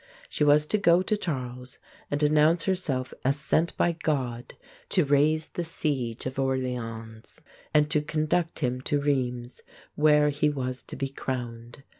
She was to go to Charles and announce herself as sent by God to raise the siege of Orléans and to conduct him to Rheims (Reemz), where he was to be crowned.